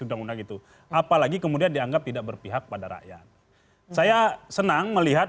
undang undang itu apalagi kemudian dianggap tidak berpihak pada rakyat saya senang melihat